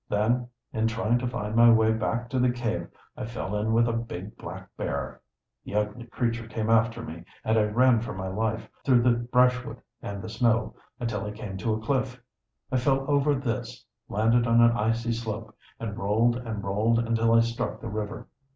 Then, in trying to find my way back to the cave, I fell in with a big black bear. The ugly creature came after me, and I ran for my life, through the brushwood and the snow, until I came to a cliff. I fell over this, landed on an icy slope, and rolled and rolled until I struck the river.